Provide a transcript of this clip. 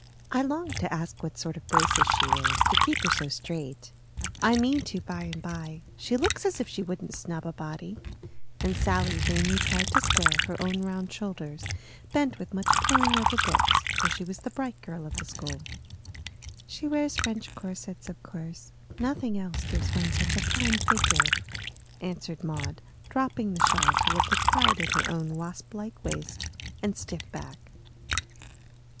"I longed to ask what sort of braces she wears, to keep her so straight. I mean to by and by; she looks as if she wouldn't snub a body;" and Sally vainly tried to square her own round shoulders, bent with much poring over books, for she was the bright girl of the school. "She wears French corsets, of course. Nothing else gives one such a fine figure," answered Maud, dropping the shawl to look with pride at her own wasp like waist and stiff back.